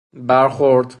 برخورد